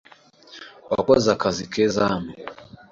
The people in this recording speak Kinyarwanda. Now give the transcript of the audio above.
Wakoze akazi keza hano.